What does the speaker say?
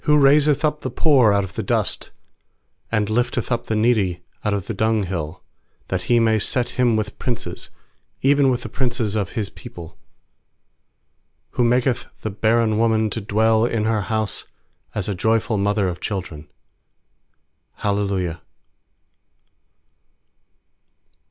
raiseth up the poor out of the dust, And lifteth up the needy out of the dunghill; 8That He may set him with princes, Even with the princes of His people. Who maketh the barren woman to dwell in her house As a joyful mother of children. Hallelujah.